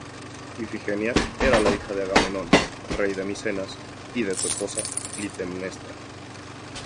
Ifigenia era la hija de Agamenón, rey de Micenas, y de su esposa Clitemnestra.